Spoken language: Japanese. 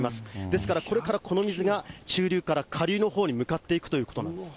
ですからこれからこの水が、中流から下流のほうに向かっていくということなんです。